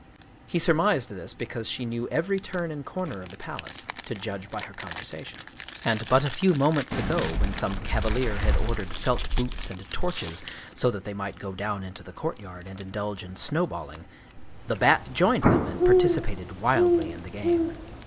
He surmised this because she knew every turn and corner of the palace, to judge by her conversation. And but a few moments ago, when some cavalier had or dered felt boots and torches so that they might go down into the courtyard and indulge in snowballing, the Bat joined them and participated wildly in the game.